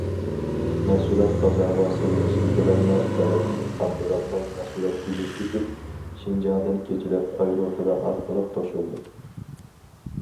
مەھسۇلات بازارغا سېلىنىشى بىلەنلا، تەلەپنى قاندۇرالماي مەھسۇلات تۈگەپ كېتىپ، شىنجاڭدىن كېچىلەپ ئايروپىلان ئارقىلىق توشۇلدى.